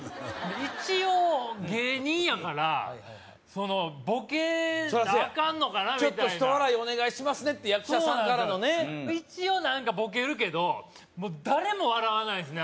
一応芸人やからボケそらそうやなアカンのかなみたいなちょっと一笑いお願いしますねって役者さんからのね一応何かボケるけど誰も笑わないですね